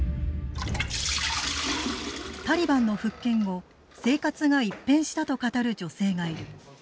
タリバンの復権後生活が一変したと語る女性がいる。